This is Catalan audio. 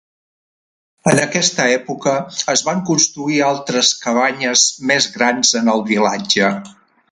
En aquesta època, es van construir altres cabanyes més grans en el vilatge.